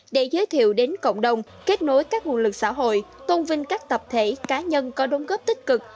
để giới thiệu đến cộng đồng kết nối các nguồn lực xã hội tôn vinh các tập thể cá nhân có đồng góp tích cực